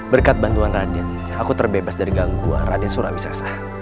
berkat bantuan raden aku terbebas dari gangguan raden suramisasa